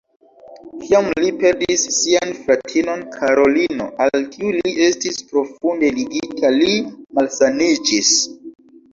Kiam li perdis sian fratinon Karolino, al kiu li estis profunde ligita, li malsaniĝis.